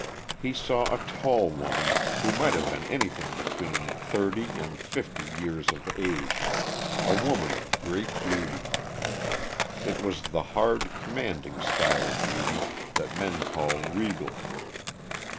He saw a tall woman who might have been anything between thirty and fifty years of age, a woman of great beauty. It was the hard, commanding style of beauty that men call regal.